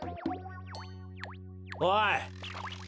おい。